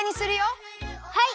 はい！